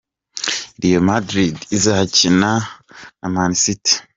Real Madrid izakina na Man City.